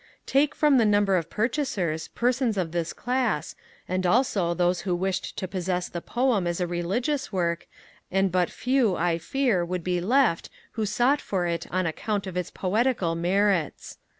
Take, from the number of purchasers, persons of this class, and also those who wished to possess the Poem as a religious work, and but few I fear would be left who sought for it on account of its poetical merits.